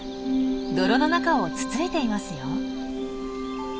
泥の中をつついていますよ。